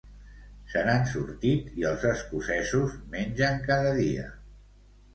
Se n'han sortit i els escocesos mengen cada dia.